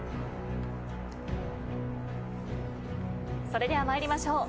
それでは参りましょう。